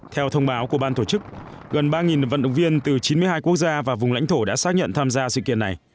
theo thông báo của ban tổ chức gần ba vận động viên từ chín mươi hai quốc gia và vùng lãnh thổ đã xác nhận tham gia sự kiện này